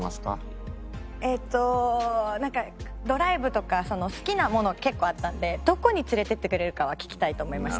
えっとなんかドライブとか好きなもの結構あったのでどこに連れていってくれるかは聞きたいと思いました。